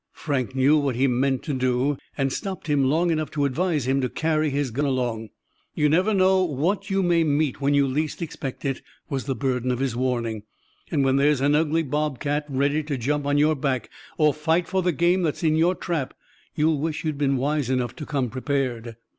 Frank knew what he meant to do, and stopped him long enough to advise him to carry his gun along. "You never know what you may meet when you least expect it," was the burden of his warning. "And when there's an ugly bobcat ready to jump on your back or fight for the game that's in your trap, you'll wish you'd been wise enough to come prepared."